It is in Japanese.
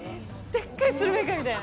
でっかいスルメイカみたい。